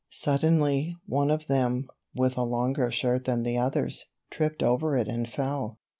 Suddenly, one of them, with a longer shirt than the others, tripped over it and fell.